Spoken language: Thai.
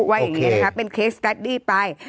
ว่าอย่างนี้นะคะเป็นเคสแตดดี้ไป